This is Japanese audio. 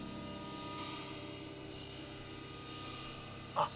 あっ。